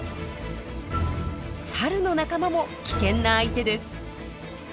サルの仲間も危険な相手です。